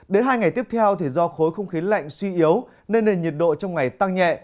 đến hai ngày tiếp theo thì do khối không khí lạnh suy yếu nên nền nhiệt độ trong ngày tăng nhẹ